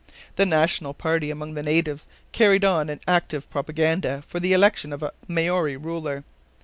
The national party among the natives carried on an active propaganda for the election of a Maori ruler.